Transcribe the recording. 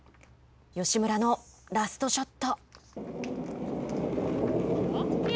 吉村のラストショット。